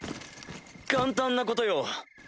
簡単なことよ。